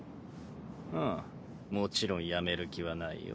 うんもちろんやめる気はないよ。